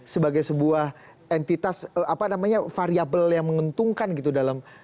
sebagai sebuah entitas apa namanya variable yang menguntungkan gitu dalam